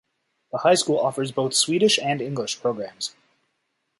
The high school offers both Swedish and English programs.